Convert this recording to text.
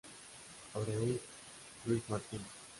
Abreu, Luis Martín.